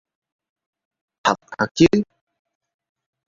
Thật thật chứ